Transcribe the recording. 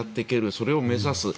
それを目指す。